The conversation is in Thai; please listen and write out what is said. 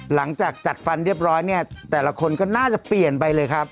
หลังจากจัดฟันเรียบร้อยเนี่ยแต่ละคนก็น่าจะเปลี่ยนไปเลยครับ